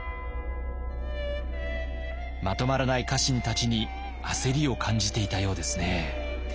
まとまらない家臣たちに焦りを感じていたようですね。